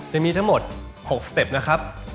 จะมีทั้งหมด๖สเต็ปนะครับ